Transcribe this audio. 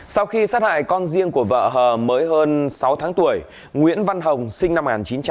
sau khi sát hại con riêng của vợ hờ mới hơn sáu tháng tuổi nguyễn văn hồng sinh năm một nghìn chín trăm tám mươi